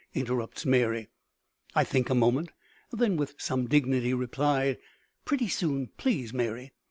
interrupts Mary. I think a moment, then with some dignity reply: "Pretty soon, please, Mary."